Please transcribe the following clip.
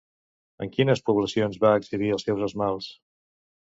A quines poblacions va exhibir els seus esmalts?